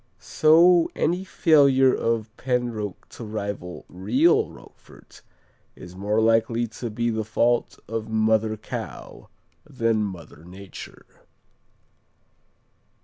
So any failure of Penroque to rival real Roquefort is more likely to be the fault of mother cow than mother nature.